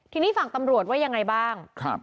ทีนี้ฝั่งตำรวจว่ายังไงบ้าง